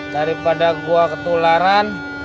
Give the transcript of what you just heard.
daripada gua ketularan